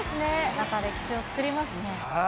また歴史を作りますね。